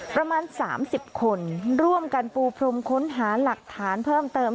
ประมาณ๓๐คนร่วมกันปูพรมค้นหาหลักฐานเพิ่มเติม